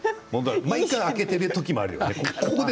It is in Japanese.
毎回開けている時もあるよね。